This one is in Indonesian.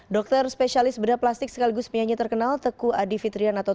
dokter spesialis bedah plastik sekaligus penyanyi terkenal tegu adi fitrian atau tompi hadir sempat